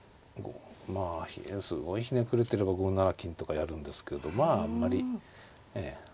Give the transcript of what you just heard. まあすごいひねくれてれば５七金とかやるんですけどまああんまり。